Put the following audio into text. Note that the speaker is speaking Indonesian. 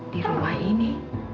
di rumah ini